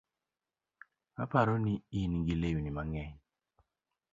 Aparo ni ingi lewni mang'eny